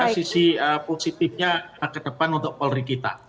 sisi positifnya ke depan untuk polri kita